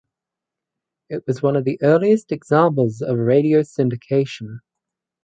It was also one of the earliest examples of radio syndication.